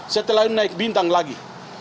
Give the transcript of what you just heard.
setelah naik bintang lagi